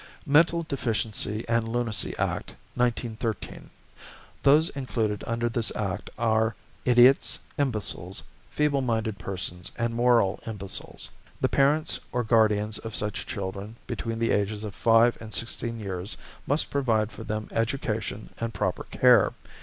=Mental Deficiency and Lunacy Act, 1913.= Those included under this Act are idiots, imbeciles, feeble minded persons, and moral imbeciles. The parents or guardians of such children between the ages of five and sixteen years must provide for them education and proper care.